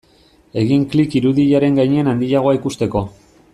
Egin klik irudiaren gainean handiagoa ikusteko.